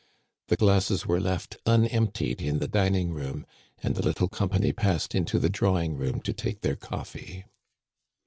The glasses were left unemptied in the din ing room, and the little company passed into the draw ing room to take their coffee.